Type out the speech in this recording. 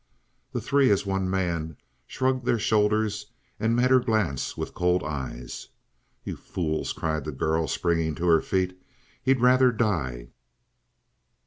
The three, as one man, shrugged their shoulders, and met her glance with cold eyes. "You fools!" cried the girl, springing to her feet. "He'd rather die!"